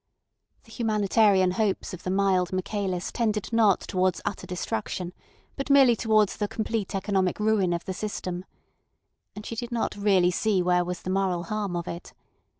The humanitarian hopes of the mild Michaelis tended not towards utter destruction, but merely towards the complete economic ruin of the system. And she did not really see where was the moral harm of it.